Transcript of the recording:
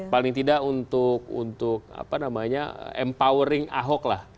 paling tidak untuk apa namanya empowering ahop lah